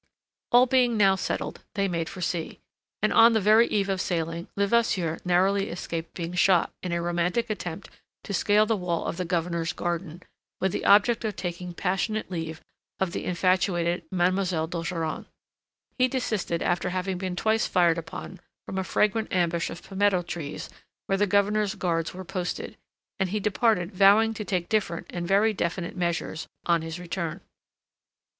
All being now settled they made ready for sea, and on the very eve of sailing, Levasseur narrowly escaped being shot in a romantic attempt to scale the wall of the Governor's garden, with the object of taking passionate leave of the infatuated Mademoiselle d'Ogeron. He desisted after having been twice fired upon from a fragrant ambush of pimento trees where the Governor's guards were posted, and he departed vowing to take different and very definite measures on his return.